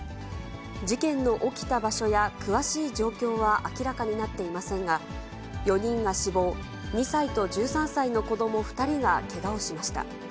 事件の起きた場所や詳しい状況は明らかになっていませんが、４人が死亡、２歳と１３歳の子ども２人がけがをしました。